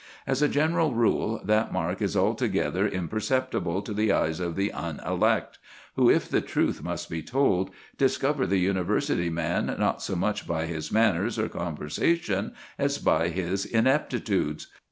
As a general rule, that mark is altogether imperceptible to the eyes of the unelect, who, if the truth must be told, discover the university man not so much by his manners or conversation as by his ineptitudes.